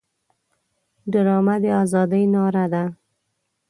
ډرامه د ازادۍ ناره ده